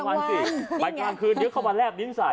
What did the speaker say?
กลางวันสิบันกลางคืนเดี๋ยวเขามาแลบลิ้นใส่